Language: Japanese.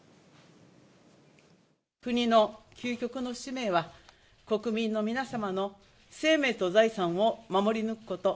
国の究極の使命は、国民の皆様の生命と財産を守り抜くこと。